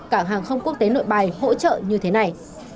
cảng hàng không quốc tế nội bài hỗ trợ như thế này